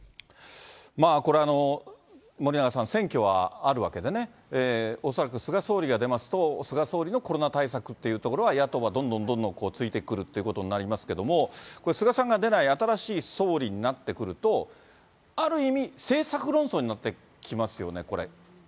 これ、森永さん、選挙はあるわけでね、恐らく菅総理が出ますと、菅総理のコロナ対策っていうところは、野党はどんどんどんどん突いてくるということになりますけれども、これ、菅さんが出ない、新しい総理になってくると、ある意味、政策論争になってきますよね、これ。